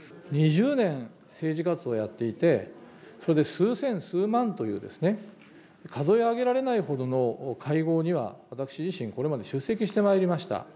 ２０年、政治活動をやっていて、それで数千、数万という、数え上げられないほどの会合には私自身、これまで出席してまいりました。